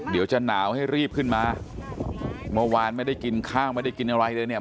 เดี๋ยวจะหนาวให้รีบขึ้นมาเมื่อวานไม่ได้กินข้าวไม่ได้กินอะไรเลยเนี่ย